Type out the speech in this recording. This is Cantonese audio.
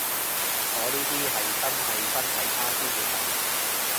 我呢啲係真係身體差先會噉